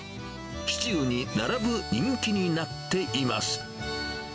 シチューに並ぶ人気になっています。